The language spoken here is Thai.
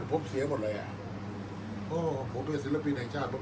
อันไหนที่มันไม่จริงแล้วอาจารย์อยากพูด